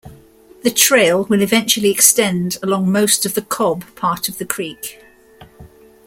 The trail will eventually extend along most of the Cobb part of the creek.